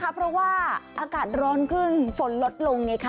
เพราะว่าอากาศร้อนขึ้นฝนลดลงไงคะ